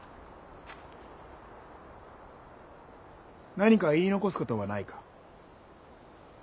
何か言い残すことはないか。